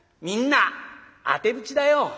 みんなあてぶちだよ。